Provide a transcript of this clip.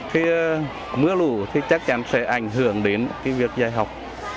khi mưa lũ thì chắc chắn sẽ ảnh hưởng đến việc dạy học